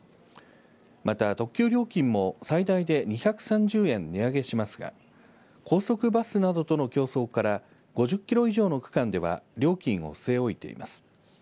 また特急料金も最大で２３０円値上げしますが高速バスなどとの競争から５０キロ以上の区間では料金を据え置いています。